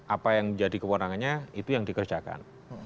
apa yang menjadi kewenangannya itu yang dikerjakan